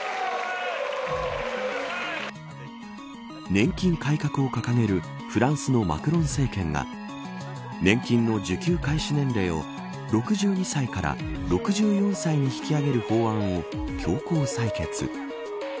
年金改革を掲げるフランスのマクロン政権が年金の受給開始年齢を６２歳から６４歳に引き上げる法案を強行採決。